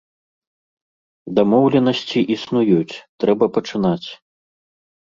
Дамоўленасці існуюць, трэба пачынаць.